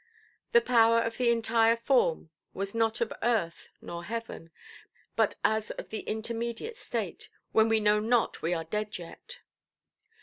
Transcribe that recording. The power of the entire form was not of earth, nor heaven; but as of the intermediate state, when we know not we are dead yet.